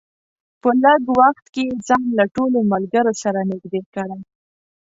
په لږ وخت کې یې ځان له ټولو ملګرو سره نږدې کړی.